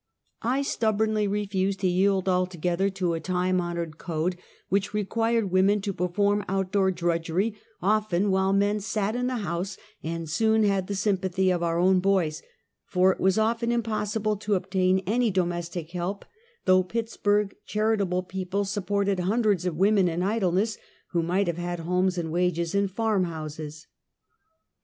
I stubbornly refused to yield altogether to a time hon ored code, which required women to perform out door drudgery, often while men sat in the house, and soon had the sympathy of our own boys ; for it was often impossible to obtain any domestic help, though Pitts burg " charitable " people supported hundreds of wo men in idleness who might have had homes and wages in farm houses.